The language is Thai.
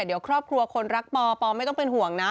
เดี๋ยวครอบครัวคนรักปอปอไม่ต้องเป็นห่วงนะ